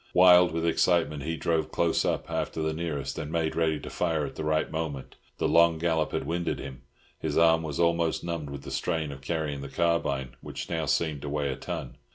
Wild with excitement, he drove Close Up after the nearest, and made ready to fire at the right moment. The long gallop had winded him; his arm was almost numbed with the strain of carrying the carbine, which now seemed to weigh a ton.